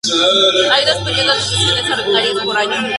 Hay dos periodos de sesiones ordinarias por año.